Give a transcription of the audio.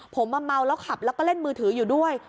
ผมมาเมาแล้วขับแล้วก็เล่นมือถืออยู่ด้วย